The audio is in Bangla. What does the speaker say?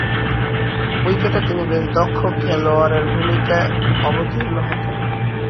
উইকেটে তিনি বেশ দক্ষ খেলোয়াড়ের ভূমিকায় অবতীর্ণ হতেন।